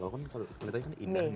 kalau kan kulitnya kan ini